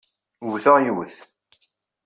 Wteɣ yiwet.